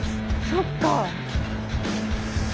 そっか。